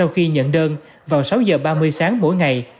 khi nhận đơn vào sáu h ba mươi sáng mỗi ngày